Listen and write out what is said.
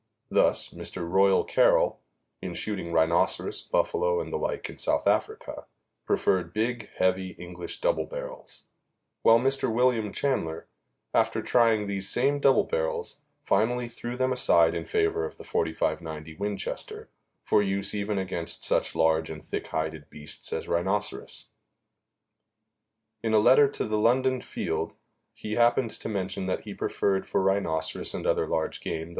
Thus, Mr. Royal Carroll, in shooting rhinoceros, buffalo and the like in South Africa, preferred big, heavy English double barrels; while Mr. William Chanler, after trying these same double barrels, finally threw them aside in favor of the .45 90 Winchester for use even against such large and thick hided beasts as rhinoceros. There was an amusing incident connected with Mr. Chanler's experiences. In a letter to the London Field he happened to mention that he preferred, for rhinoceros and other large game, the